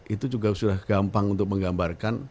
itu juga sudah gampang untuk menggambarkan